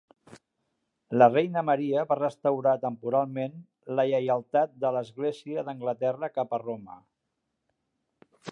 La Reina Maria va restaurar temporalment la lleialtat de l'església d'Anglaterra cap a Roma.